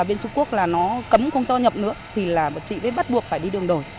bên trung quốc là nó cấm không cho nhập nữa thì là chị mới bắt buộc phải đi đường đổi